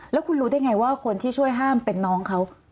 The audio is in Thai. แล้วคุณรู้ได้ไงว่าคนที่ช่วยห้ามเป็นน้องเขา